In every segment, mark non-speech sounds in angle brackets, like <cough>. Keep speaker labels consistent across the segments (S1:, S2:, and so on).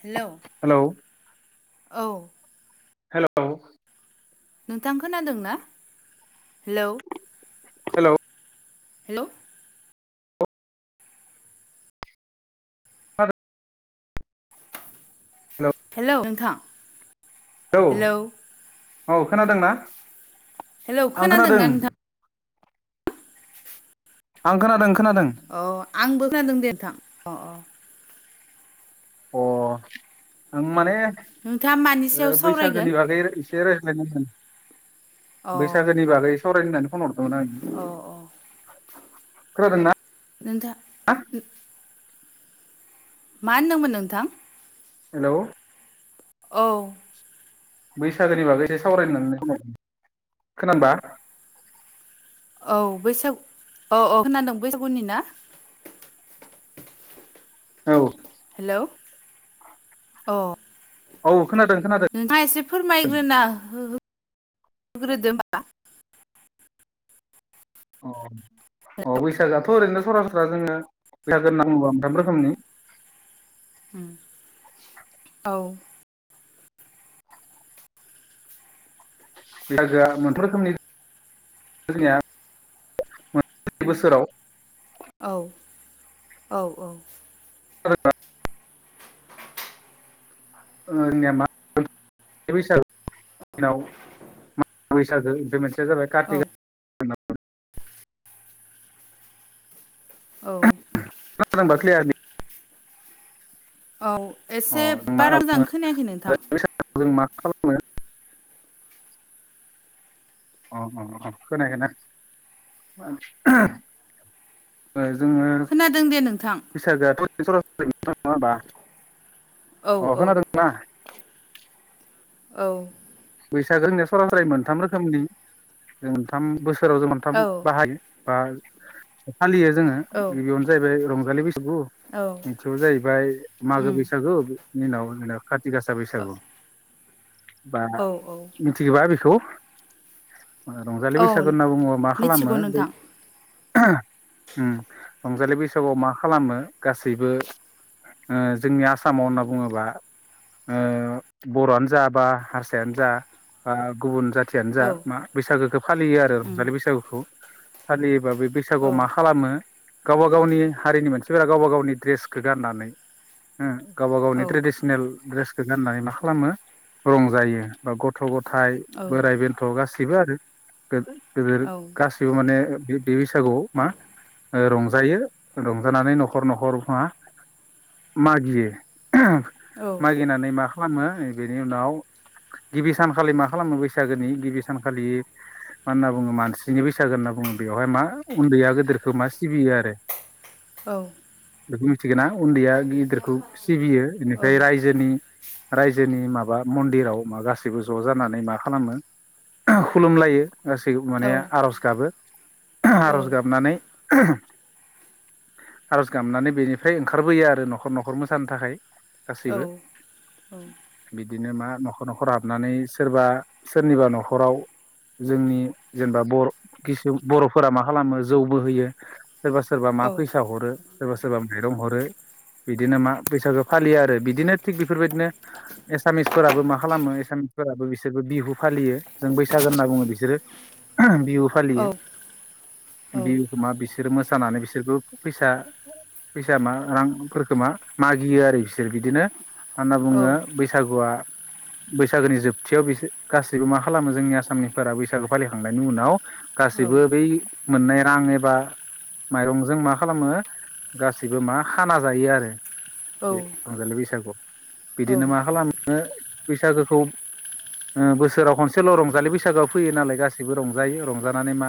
S1: Hello
S2: hello
S1: औ
S2: hello
S1: नोंथां खोनादोंना? हेलौ
S2: हेलौ
S1: हेलौ
S2: खोनादों
S1: हेलौ नोंथां
S2: औ
S1: हेलौ
S2: औ खोनादोंना?
S1: हेलौ
S2: आं खोनादों
S1: खोनादोंना नोंथां?
S2: आं खोनादों खोनादों।
S1: अ आंबो खोनादों दे नोंथां अ अ
S2: अ आं माने
S1: नोंथाङा मानि सायाव सावरायगोन
S2: बैसागोनि ओ बागै ए
S1: अ
S2: <unintelligible> बैसागोनि बागै सावरायनो होननानै फन हरदोंमोन आं
S1: अ अ
S2: खोनादोंना?
S1: नोंथां मा होनदोंमोन नोंथां?
S2: हेलौ
S1: औ।
S2: बैसागोनि बागै एसे सावरायनो होननानै फन हरदोंमोन‌ खोनादोंना?
S1: औ बैसागु औ औ खोनादों बैसागुनि ना?
S2: औ।
S1: हेलौ अ
S2: औ खोनादों खोनादों।
S1: नोंथाङा एसे फोरमायग्रोना हो-हो-होग्रोदो ओमबा
S2: अ अ बैसागोआथ' ओरैनो सरासनस्रा जोङो बैसागो होनना बुंङोबा मोनथाम रोखोमनि
S1: औ
S2: <unintelligible> आ <unintelligible> रोखोमनि जोंनिया मोन बोसोराव
S1: औ औ औ।
S2: <unintelligible> मा <unintelligible> <unintelligible> <unintelligible> बैसागो ओमफाय मोनसेया जाबाय
S1: औ
S2: काति
S1: औ।
S2: <unintelligible>
S1: औ
S2: अ
S1: एसे
S2: जों मा
S1: बारा
S2: होनना
S1: मोजां
S2: बुङो
S1: खोनायाखै नोंथां।
S2: <unintelligible> मा खालाम अ अ खोनायैखैना? ओ जोङो
S1: खोनादों दे नोंथां
S2: बैसागोआथ' जर <unintelligible> नङा होमबा
S1: औ
S2: अ
S1: औ
S2: खोनादोंना?
S1: औ
S2: बैसागो जोंनिया सरास्रायै मोनथाम रोखोमनि जों मोनथाम बोसोराव जों मोनथाम
S1: औ
S2: बाहायो बा फालियो जोङो
S1: औ
S2: गिबियावनो जाहैबाय रंजालि बैसागु
S1: औ
S2: नैथियाव जाहैबाय मागो
S1: उम
S2: बैसागु बिनि उनाव जोंना खाथि गासा बैसागु बा
S1: अ औ। ‌
S2: मिथिगोबा बिखौ रंजालि
S1: औ
S2: बैसागो होनना बुङोबा मा
S1: मिथिगौ
S2: खालामो
S1: नोंथां
S2: उम रंजालि बैसागुआव मा खालामो गासैबो ओ जोंनि आसामाव होनना बुङोबा, ओ बर'आनो जाबा हारस जायानो जा बा गुबुन जाथियानो जा
S1: औ
S2: मा बैसागोखो फालियो आरो
S1: उम
S2: रंजालि बैसागुखौ। फालियोबा बे बैसागुआव
S1: औ
S2: मा खालामो? गावबा गावनि हारिनि मोनसिफोरा गावबा गावनि ड्रेसखो गाननानै हो गावबा गावनि
S1: औ
S2: ट्रेडिसनेल ड्रेसखो गाननानै मा खालामो रंजायो बा गथ गथ' गथाइ
S1: औ
S2: बोराइ बेन्थ' गासैबो आरो गोद-गोदोर
S1: औ
S2: गासैबो माने बे बैसागुआव मा रंजायो रंजानानै न'खर न'खर मा मागियो
S1: औ
S2: मागिनानै मा खालामो बेनि उनाव गिबि सानखालि मा खालामो बैसागोनि गिबि सानखालि मा होनना बुङो मानसिनि बैसागो होनना बुङो बेवहाय मा उन्दैया गोदोरखो मा सिबियोआरो <inaudible>
S1: औ
S2: बेखौ मिथिगोना उन्दैया गिदिरखौ सिबियो इनिफ्राय
S1: औ औ
S2: रायजोनि रायजोनि माबा मन्दिराव मा गासैबो ज' जानानै मा खालामो खुलुमलायो गासै माने आर'ज गाबो आर'ज गाबनानै आर'ज गाबनानै बेनिफ्राय ओंखारबोयो आरो न'खर न'खर मोसानो थाखाय गासैबो बिदिनो मा नखर हाबनानै सोरबा सोरनिबा नखराव जोंनि जेनबा बर' किसु बर'फोरा मा खालामो जौबो होयो। सोरबा सोरबा मा फैसा हरो? सोरबा सोरबा माइरं हरो बिदिनो मा बैसागो फालियो आरो बिदिनो थिग बेफोरबायदिनो एसामिसफोराबो मा खालामो एसामिसफोराबो बिसोरबो बिहु फालियो जों बैसागो होनना बुङो बिसोरो बिहु फालियो बि मा बिसोर मोसानानै बिसोरबो फैसा फैसा मा रांफोरखो मा मागियो आरो बिसोर बिदिनो मा होना बुङो बैसागुआ बैसागोनि जोबथियाव बि गासैबो मा खालामो जोंनि आसामनिफोरा बैसागो फालिखांनायनि उनाव गासैबो बै मोननाय रां एबा माइरंजों मा खालामो गासिबो मा खाना जायो आरो। बे रंजालि बैसागुआव बिदिनो मा खालामो बैसागोखौ ओ बोसोराव खनसेल' रंजालि बैसागोआ फैयो नालाय गासैबो रंजायो रंजानानै मा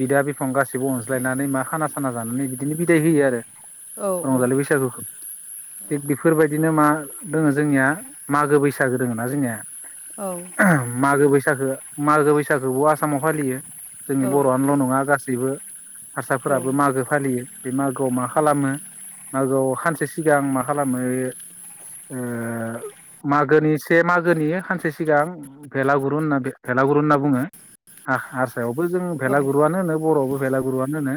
S2: बिदा बिफं गासिबो अनज्लायनानै मा खाना साना जानानै बिदिनो बिदाय होयो आरो। रंजालि बैसागुखो थिग बेफोरबायदिनो मा दोङो जोंनिया मागो बैसा गो दोङोना जोंनिया?
S1: औ
S2: मागो बैसागो मागो बैसागोबो आसामाव फालियो जोंनि बर'आनोल' नङा गासैबो हारसाफोराबो मागो फालियो बे मागोआव मा खालामो मागोआव खानसे सिगां मा खालामो ओ माग गोनि से मागोनि खानसे सिगां भेलागुरु होनना भेलागुरु होनना बुङो। हा हारसायावबो जों भेलागुरुआनो होनो बर'आवबो भेलागुरुआनो होनो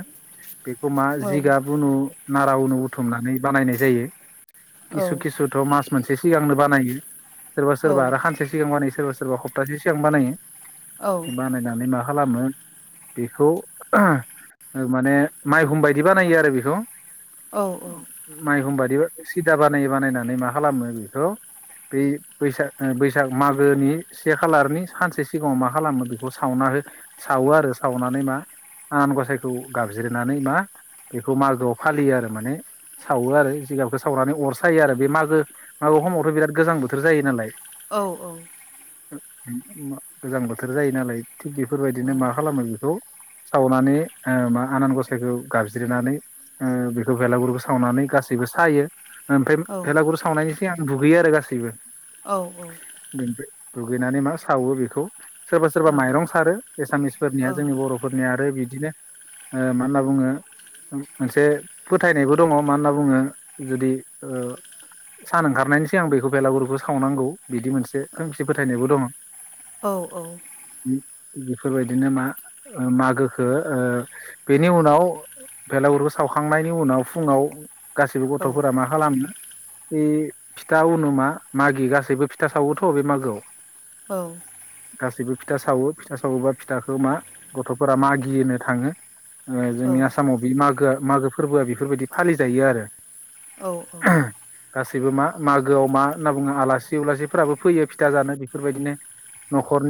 S2: बेखौ मा जिगाब उनु नारा उनु बुथुमनानै बानायनाय जायो किसु किसु थ' मास मोनसे सिगांनो बानायो। सोरबा सोरबा आरो खानसे सिगां बानायो सोरबा सोरबा खप्थासे सिगां बानायो बानायनानै मा खालामो बेखौ माने माइहुं बायदि बानायो आरो बेखौ
S1: औ औ
S2: माइहुं बादि सिदा बानायो बानायनानै मा खालामो बिखौ बै बैसाग बैसाग मागोनि से खालारनि सानसे सिगाङाव मा खालामो बिखौ सावना हो सावो आरो सावनानै मा आनान गसायखौ गाबज्रिनानै मा बेखौ मागोआव फालियो आरो माने सावो आरो जिगाबखो सावनानै अर सायो आरो बे मागो मागो खमावथ' बिराद गोजां बोथोर जायो नालाय।
S1: औ औ
S2: गोजां बोथोर जायो नालाय थिग
S1: औ
S2: बेफोरबायदिनो मा खालामो बिखौ सावनानै ओ मा आनान गसाइखौ गाबज्रिनानै ओ बेखौ बेलागुरखौ सावनानै गासैबो सायो। ओमफ्राय
S1: औ
S2: बेलागुरु सावनायनि सिगां दुगैयो आरो गासैबो।
S1: औ औ
S2: बेनिफ्राय दुगैनानै मा सावो बेखौ सोरबा सोरबा माइरं सारो एसामिसफोरनिया जोंनि बर' फोरनिया आरो बिदिनो ओ मा होनना बुङो? मोनसे फोथायनायबो दङ मानो होनना बुङो जुदि ओ सान ओंखारनायनि सिगां बेखौ बेलागुरखौ सावनांगौ बिदि मोनसे खोमसि फोथायनायबो दंं।
S1: औ औ
S2: बेफोरबायदिनो मा ओ मागोखो ओ बेनि उनाव बेलागुरखो सावखांनायनि उनाव फुङाव गासिबो
S1: औ
S2: गथ'फोरा मा खालामनो बे फिथा उनु मा मागियो गासैबो फिथा सावोथ' बे मागोआव।
S1: औ
S2: गासैबो फिथा सावो फिथा सावोबा फिथाखौ मा गथ'फोरा मागिनो थाङो। ओ जोंनि आसामाव बे मागोआ मागो फोरबोआ बेफोरबायदि फालिजायो। आरो
S1: औ
S2: गासैबो मा मागोआव मा होनना बुङो आलासि उलासिफोराबो फैयो फिथा जानो। बेफोरबायदिनो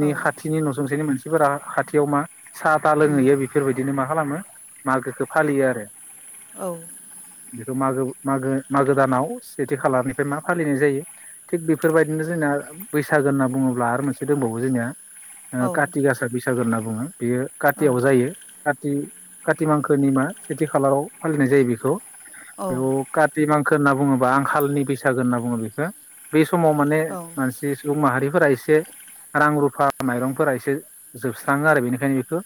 S1: औ
S2: खाथिनि न'सुंसेनि मानसि फोरा हाथियाव मा साहा दा
S1: उम
S2: लोंहैयो बेफोरबायदिनो मा खालामो मागोखो‌ फालियो आरो
S1: औ
S2: बेखौ मागो मागो मागो दानाव सेथि खालारनिफ्राय मा फालिनाय जायो। थिग बेफोरबायदिनो जोंना बैसागो होनना बुङोब्ला आरो मोनसे दंबावो जोंनिया
S1: औ
S2: ओ काति गासा बैसागो होनना बुङो बेयो
S1: औ औ
S2: कातियाव जायो। काति काति मांखोनि मा सेथि खालाराव फालिनाय जायो। बेखौ
S1: औ
S2: बेयाव काति मांखो होनना बुङोबा आंखालनि बैसागो होनना बुङो बेखौ बे समाव माने
S1: औ
S2: मानसि सुबुं माहारिफोरा एसे रां रुफा माइरंफोरा एसे जोबस्राङो आरो बेनिखायनो बेखौ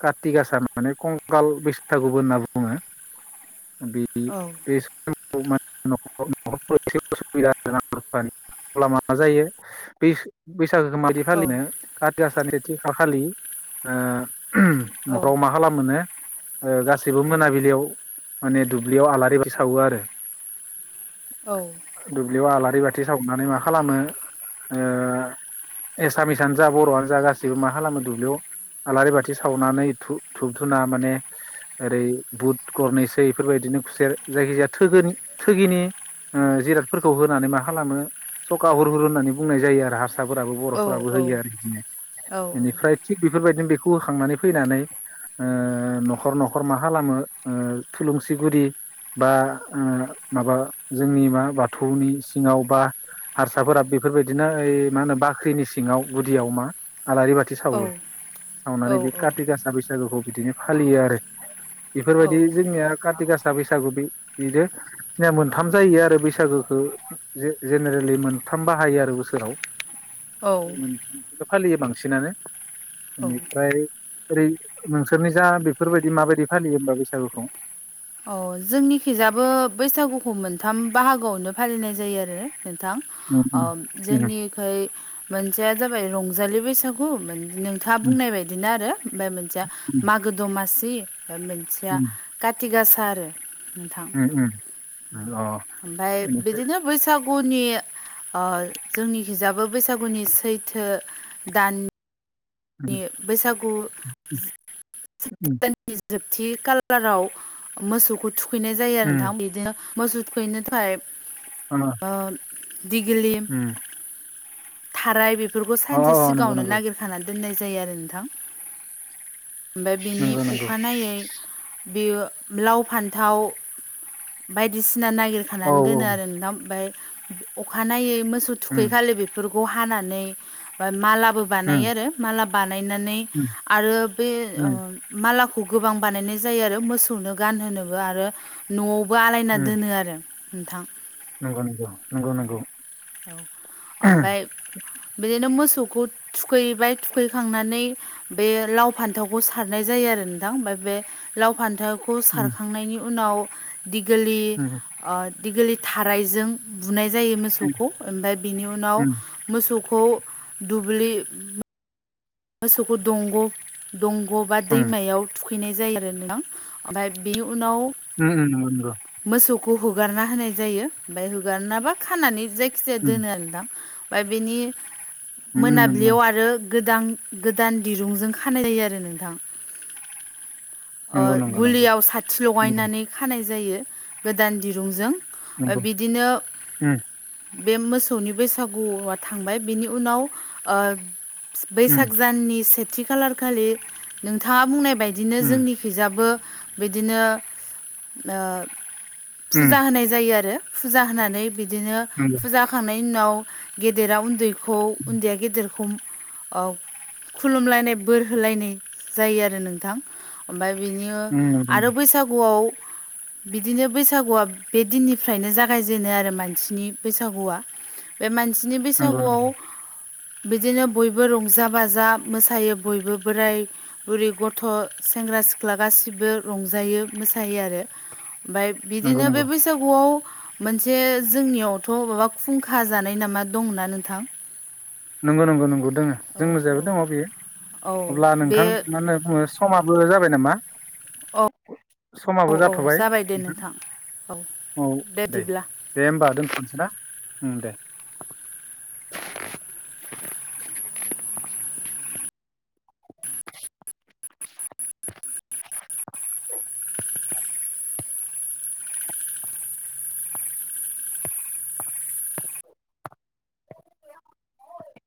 S2: काति गासार माने कंखाल बैसागुबो होनना बुङो। बे बे बे समाव माने न'खर न'खर एसे उसुबिदा। रां रुफानि अब्ला मा जायो। बे बैसागो माबि फालिनो काति आसारनि नैथि खालार खालि ओ न'खराव मा खालामो गासिबो मोनाबिलियाव माने दुब्लियाव आलारि बाथि सावो आरो
S1: औ
S2: दुब्लियाव आलारि बाथि सावनानै मा खालामो ओ एसामिसआनो जा बर'आनो जा गासैबो मा खालामो दुब्लियाव आलारि बाथि सावनानै धु धुबधुना माने ओरै बुट गरनैसै बेफोरबायदिनो खुसेर जायखिजाया थोगोनि थोगिनि जिरादफोरखौ होनानै मा खालामो सखा हुर हुर होननानै बुंनाय जायो। आरो हार साफोराबो बर'फोराबो होयो। आरो बिदिनो बेनिफ्राय थिग बेफोरबायदिनो बेखौ होखांनानै फैनानै ओ न'खर न'खर मा खालामो ओ थुलुसिगुरि बा माबा जोंनि मा बाथौनि सिङाव बा हारसाफोरा बेफोरबायदिना ओइ मा होनो बाख्रिनि सिङाव गुदियाव मा आलारि बा खाथि सावो सावनानै बे कारति गासा बैसागुखौ बिदिनो फालियो आरो बेफोरबायदि जोंनिया काति गासा बैसागु बे बिदि जोंनिया मोनथाम जायो आरो बैसागु जे-जेनेरेलि मोनथाम बाहायो आरो बोसोराव
S1: औ
S2: उम। फालियो बांसिनानो
S1: औ
S2: बेनिफ्राय ओरै नोंसोरनि जा बेफोरबायदि माबायदि फालियो होमबा बैसागुखौ?
S1: अ जोंनि खैजाबो बैसागुखौ मोनथाम बाहागोआवनो फालिनाय जायो आरो नोंथां। ओ जोंनिखै मोनसेया जाबाय रंजालि बैसागु नों थाङा बुंनाय बायदिनो आरो ओमफ्राय मोनसेया मागो दमासि ओमफ्राय मोनसेया काति गासा आरो नोंथां ओमफ्राय
S2: बेनिफ्राय
S1: बिदिनो बैसागुनि ओ जोंनिखिजाबो बैसागुनि सैथो दान
S2: उम,
S1: बैसागु सैथो
S2: उम,
S1: दाननि जोबथि खाालाराव मोसौखौ थुखैनाय जायो
S2: उम,
S1: नोंथां बिदिनो मोसौ थुखैनो थाखाय
S2: आंना
S1: ओ दिगिलि थाराय बेफोरखौ
S2: अ
S1: सानसे
S2: अ, नंगौ
S1: सिगाङावनो
S2: नंगौ
S1: नागिर खाना दोननाय जायो आरो नोंथां। ओमफ्राय बिनि
S2: नंगौ नंगौ
S1: अखानायै बेयो लाव फान्थाव बायदिसिना
S2: औ
S1: नागिरखानानै
S2: औ
S1: दोनो आरो नोंथां। ओमफ्राय अखानायै मोसौ थुखै
S2: उम,
S1: खालि बेफोरखौ हानानै बा मालाबो बानायो
S2: उम,
S1: आरो माला बानायनानै
S2: उम,
S1: आरो बे
S2: उम,
S1: मालाखौ गोबां बानायनाय जायो आरो मोसौनो गानहोनोबो आरो न'आवबो आलायना
S2: उम,
S1: दोनो आरो नोंथां
S2: नंगौ नंगौ नंगौ नंगौ
S1: औ औ ओमफ्राय बिदिनो मोसौखौ थुखैबाय थु थुखैखांनानै बे लाव फान्थावखौ सारनाय जायो आरो नोंथां ओमफ्राय बे लाव फान्थाव खौ
S2: उम,
S1: सारखांनायनि उनाव दिगोलि
S2: उम,
S1: दिगोलिथि थारायजों बुनाय जायो
S2: उम,
S1: मोसौखौ ओमफ्राय बिनि उनाव मोसौखौ दुब्लि मोसौखौ दंग' दंग' बा
S2: उम,
S1: दैमायाव थुखैनाय जायो आरो नोंथां ओमफ्राय बेनि उनाव
S2: उम उम नंगौ नोंथां
S1: मोसौखौ हगारना होनाय जायो ओमफ्राय हगारनाबा खानानै जाय
S2: उम,
S1: दोनो आरो दां ओमफ्राय बेनि
S2: उम,
S1: मोनाबिलियाव
S2: उम,
S1: आरो गोदान गोदान दिरुंजों खानाय जायो आरो नोंथां
S2: नंगौ नंगौ नंगौ
S1: गुलियाव साथि
S2: नंगौ
S1: लगायनानै खानाय जायो गोदान दिरुंजों
S2: नंगौ
S1: बिदिनो बे मोसौनि बैसागुआ थांबाय बेनि उनाव बैसागो
S2: उम,
S1: साननि सेथि खालार खालि नोंथाङा बुंनाय बायदिनो
S2: उम, उम,
S1: जोंनिखि खिजाबो बिदिनो
S2: उम,
S1: फुजा होनाय जायो आरो फुजा होनानै बिदिनो
S2: ओम
S1: जाखांनायनि उनाव गेदेरा उन्दैखौ उन्दैया गेदेरखौ खुलुमलायनाय बोर होलायनाय जायो आरो नोंथां ओमफ्राय बिदि
S2: उम,
S1: आरो बैसागुआव
S2: <inaudible>
S1: बिदिनो बैसागुआ बे दिननिफ्रायनो जागायजेनो आरो मानसिनि बैसागुआ बे मानसिनि
S2: नंगौ नंगौ
S1: बैसागुआव बिदिनो बयबो रंजा हेफाजाब मोसायो बयबो बोराय बुरै गथ' सेंग्रा सिख्ला गासैबो रंजायो मोसायो आरो ओमफ्राय
S2: नंगौ नंगौ
S1: बिदिनो बे बैसागुआव मोनसे जोंनियावथ' माबा खुंखा जानाय नामा दंना नोंथां
S2: नंगौ नंगौ नंगौ दोङो
S1: औ
S2: जोंनि
S1: औ
S2: जेबो दङ बियो
S1: औ
S2: अब्ला
S1: बे
S2: नोंथां मानो बुङो समाबो जाबाय नामा
S1: औ औ
S2: समाबो
S1: औ
S2: जाथ'बाय
S1: जाबाय दे औ
S2: नोंथां औ दे दे होमबा दोनथ'नोसै ना दे
S1: <inaudible>
S2: <inaudible> औ